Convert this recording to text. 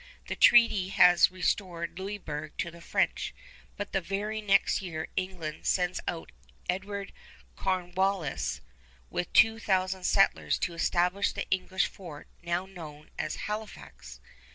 The treaty has restored Louisburg to the French, but the very next year England sends out Edward Cornwallis with two thousand settlers to establish the English fort now known as Halifax.